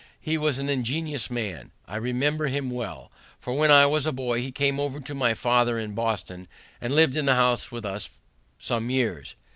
He was an ingenious man. I remember him well, for when I was a boy he came over to my father in Boston, and lived in the house with us some years.